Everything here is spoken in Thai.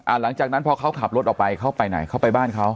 หลังจากนั้นพอเขาขับรถออกไปเขาไปไหนเขาไปบ้านเขา